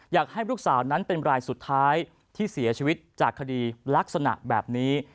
อยากให้ลูกสาวนั้นเป็นรายสุดท้ายที่เสียชีวิตจากคดีลักษณะแบบนี้